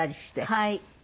はい。